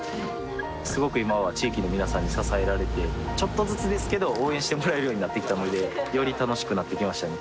すごく今は地域の皆さんに支えられてちょっとずつですけど応援してもらえるようになってきたのでより楽しくなってきましたね